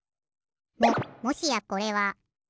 ももしやこれは。